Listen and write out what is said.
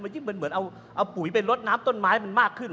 ยิ่งมันเหมือนเอาปุ๋ยไปลดน้ำต้นไม้มันมากขึ้น